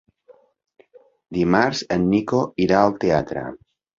Dimarts en Nico irà al teatre.